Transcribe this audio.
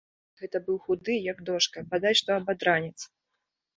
Гэта быў худы, як дошка, бадай што абадранец.